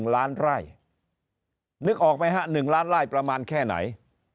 ๑ล้านไร่นึกออกไหมฮะ๑ล้านไล่ประมาณแค่ไหน